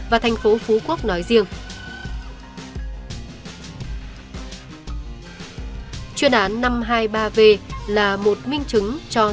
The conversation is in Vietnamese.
và thành phố phố đồng